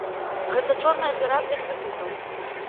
Гэта чорная дзіра для крэдытаў.